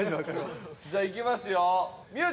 じゃあいきますよ。